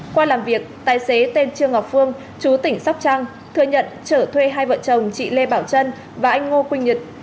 qua làm việc tài xế tên trương ngọc phương chú tỉnh sóc trăng thừa nhận trở thuê hai vợ chồng chị lê bảo trân và anh ngô quynh nhật